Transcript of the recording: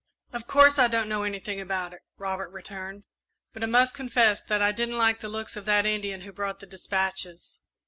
"Of course I don't know anything about it," Robert returned, "but I must confess that I didn't like the looks of that Indian who brought the despatches."